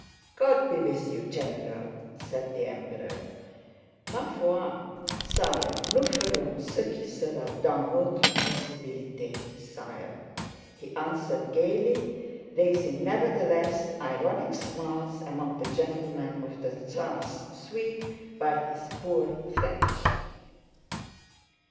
"God be with you, general!" said the Emperor. "Ma foi, sire, nous ferons ce qui sera dans notre possibilité, sire," * he answered gaily, raising nevertheless ironic smiles among the gentlemen of the Tsar's suite by his poor French.